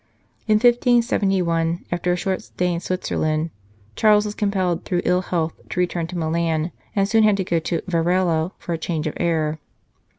In 1571, after a short stay in Switzerland, Charles was compelled through ill health to return to Milan, and soon had to go to Varallo for a change of air.